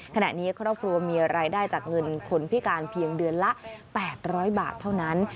ขณะนี้ครอบครัวมีรายได้จากเงินคนพิการเพียงเดือนละ๘๐๐บาทเท่านั้น